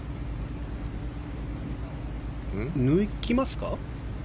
抜きますか。